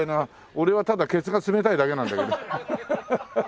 俺はただケツが冷たいだけなんだけど。